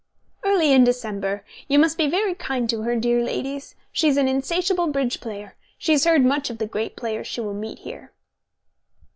"Early in December. You must be very kind to her, dear ladies. She is an insatiable bridge player. She has heard much of the great players she will meet here."